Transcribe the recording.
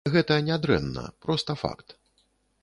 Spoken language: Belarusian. Гэта не дрэнна, проста факт.